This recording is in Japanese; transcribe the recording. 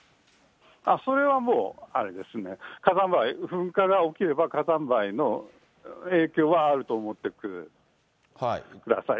それはもうあれですね、火山灰、噴火が起きれば火山灰の影響はあると思ってください。